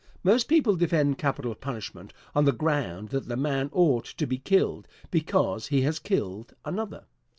Most people defend capital punishment on the ground that the man ought to be killed because he has killed another.